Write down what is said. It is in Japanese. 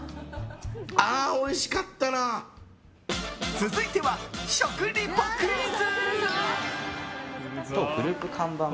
続いては食リポクイズ。